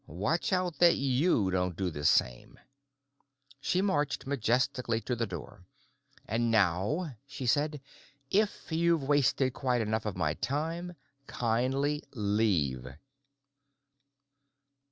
Watch out that you don't do the same." She marched majestically to the door. "And now," she said, "if you've wasted quite enough of my time, kindly leave."